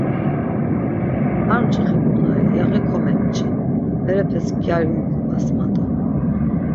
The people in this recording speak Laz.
Ar mcixi ǩonari yaği komepçi, berepes gyari ugubas ma do.